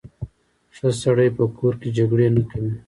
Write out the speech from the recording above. ښه سړی په کور کې جګړې نه کوي.